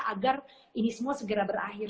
agar ini semua segera berakhir